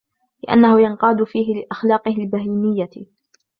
لِأَنَّهُ يَنْقَادُ فِيهِ لِأَخْلَاقِهِ الْبَهِيمِيَّةِ